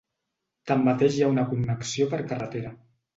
Tanmateix hi ha una connexió per carretera.